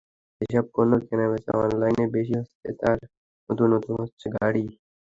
যেসব পণ্যের কেনাবেচা অনলাইনে বেশি হচ্ছে তার মধ্যে অন্যতম হচ্ছে গাড়ি।